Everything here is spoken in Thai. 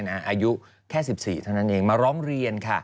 อายุแค่๑๔เท่านั้นเองมาร้องเรียนค่ะ